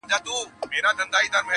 پېړۍ واوښتې قرنونه دي تېریږي٫